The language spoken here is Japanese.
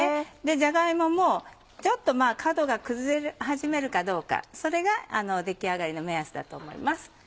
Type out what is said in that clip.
じゃが芋もちょっと角が崩れ始めるかどうかそれが出来上がりの目安だと思います。